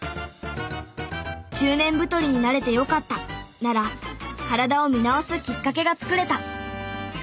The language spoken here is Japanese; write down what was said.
「中年太りになれてよかった」なら体を見直すきっかけが作れた。